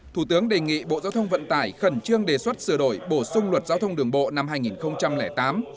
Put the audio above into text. thủ tướng đề nghị bộ giao thông vận tải khẩn trương đề xuất sửa đổi bổ sung luật giao thông đường bộ năm hai nghìn tám